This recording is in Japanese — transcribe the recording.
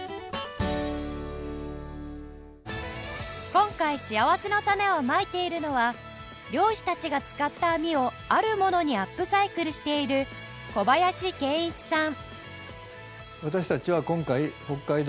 今回しあわせのたねをまいているのは漁師たちが使った網をあるものにアップサイクルしている小林謙一さん